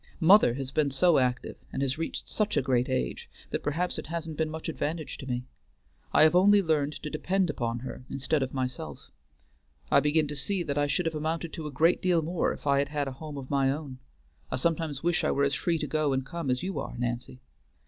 Mother has been so active, and has reached such a great age, that perhaps it hasn't been much advantage to me. I have only learned to depend upon her instead of myself. I begin to see that I should have amounted to a great deal more if I had had a home of my own. I sometimes wish that I were as free to go and come as you are, Nancy."